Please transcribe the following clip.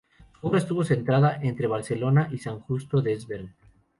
Su obra estuvo centrada entre Barcelona y San Justo Desvern.